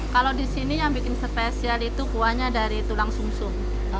kalau di sini yang bikin spesial itu kuahnya dari tulang sum sum